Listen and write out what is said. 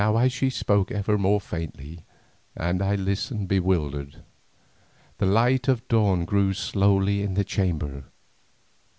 Now as she spoke ever more faintly, and I listened bewildered, the light of dawn grew slowly in the chamber.